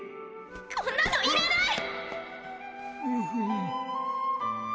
こんなのいらない！